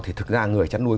thì thực ra người chăn nuôi